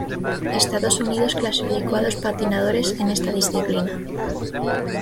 Estados Unidos clasificó a dos patinadores en esta disciplina.